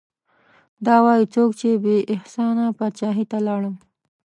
دا وايي څوک چې بې احسانه پاچاهي ته لاړم